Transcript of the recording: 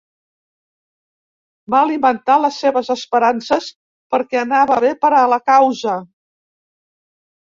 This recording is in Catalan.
Va alimentar les seves esperances perquè anava bé per a la causa.